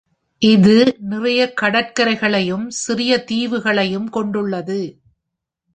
இது நிறைய கடற்கரைகளும் சிறிய தீவுகளையும் கொண்டுள்ளது.